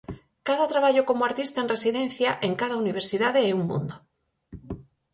Cada traballo como artista en residencia en cada universidade é un mundo.